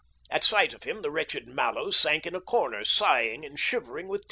At sight of him the wretched Mallows sank in a corner, sighing and shivering with terror.